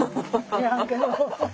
知らんけど。